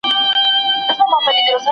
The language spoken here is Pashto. لېوني ورپسې ګرځي شين لغمان کښې